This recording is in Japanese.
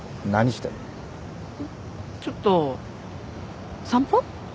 んっちょっと散歩？